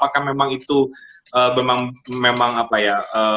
apakah memang itu memang apa ya